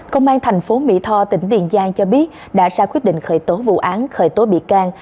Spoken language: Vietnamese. công an thành phố mỹ tho tỉnh tiền giang cho biết đã ra quyết định khởi tố vụ án khởi tố bị can